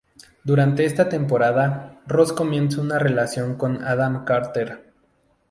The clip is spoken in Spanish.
Durante esta temporada, Ros comienza una relación con Adam Carter.